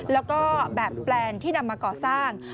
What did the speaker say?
แล้วก็แบบแปลนที่นำมาก่อสร้าง